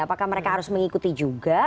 apakah mereka harus mengikuti juga